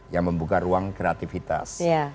yang membuka ruang kreativitas